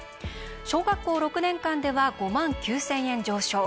小学校６年間では５万９０００円上昇。